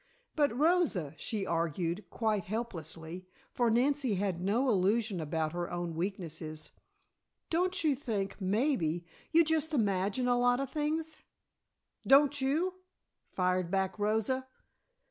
"But, Rosa," she argued, quite helplessly, for Nancy had no illusion about her own weaknesses, "don't you think, maybe, you just imagine a lot of things?" "Don't you?" fired back Rosa.